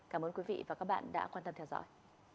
cảm ơn quý vị và các bạn đã quan tâm theo dõi